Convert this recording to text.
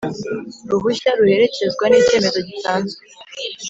Ruhushya ruherekezwa n icyemezo gitanzwe